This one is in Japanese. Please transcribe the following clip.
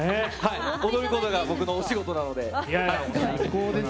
踊ることが僕のお仕事なので。